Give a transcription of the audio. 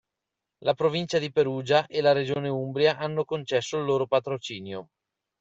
La provincia di Perugia e la regione Umbria hanno concesso il loro patrocinio.